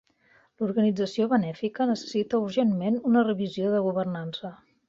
L'organització benèfica necessita urgentment una revisió de governança